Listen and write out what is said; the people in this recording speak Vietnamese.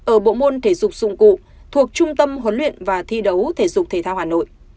ở bộ môn thể dục dụng cụ thuộc trung tâm huấn luyện và thi đấu thể dục thể thao hà nội